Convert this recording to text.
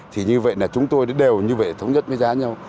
thì như vậy là chúng tôi đều như vậy thống nhất với giá nhau